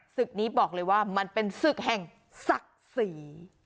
ศึกนี้บอกเลยว่ามันเป็นศึกแห่งศักดิ์ศรี